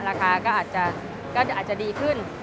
ราคาก็อาจจะดีขึ้น